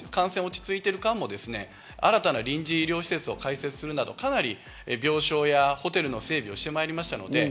我々、千葉県も感染が落ち着いている間も、新たな臨時医療施設を開設するなど、かなり病床やホテルの整備をしてまいりました。